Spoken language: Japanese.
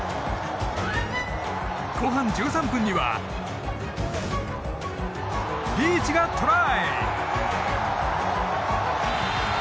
後半１３分にはリーチがトライ！